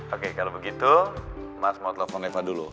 oke kalau begitu mas mau telepon neva dulu